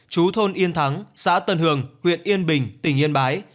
chú thôn yên thắng xã tân hường huyện yên bình tỉnh yên bái